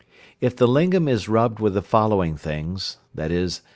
If the lingam is rubbed with the following things, viz.